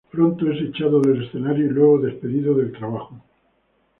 Pronto es echado del escenario y luego, despedido del trabajo.